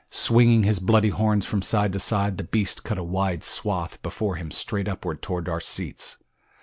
Swinging his bloody horns from side to side the beast cut a wide swath before him straight upward toward our seats.